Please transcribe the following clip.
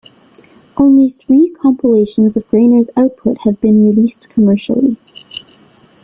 Only three compilations of Grainer's output have been released commercially.